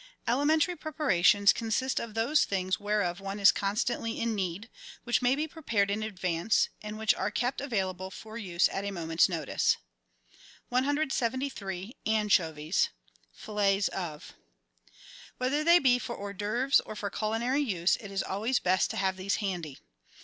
Elementary preparations consist of those things whereof one is constantly in need, which may be prepared in advance, and which are kept available for use at a moment's notice. 173— ANCHOVIES (FILLETS OF) Whether they be for hors d'oeuvres or for culinary use, it is always best to have these handy.